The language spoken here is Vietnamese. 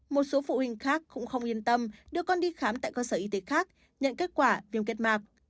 một số phụ huynh khác cũng không yên tâm đưa con đi khám tại cơ sở y tế khác nhận kết quả viêm kết mạc